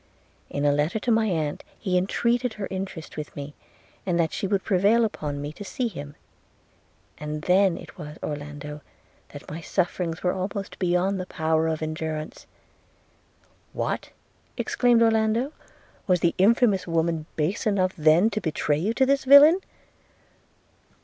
In a letter to my aunt he entreated her interest with me, and that she would prevail upon me to see him: and then it was, Orlando, that my sufferings were almost beyond the power of endurance.' 'What!' exclaimed Orlando, 'was the infamous woman base enough then to betray you to this villain?'